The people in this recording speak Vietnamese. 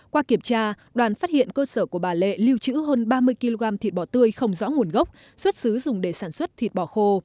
qua kiểm tra đoàn phát hiện cơ sở của bà lệ lưu trữ hơn ba mươi kg thịt bò tươi không rõ nguồn gốc xuất xứ dùng để sản xuất thịt bò khô